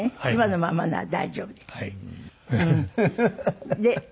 今のままなら大丈夫です。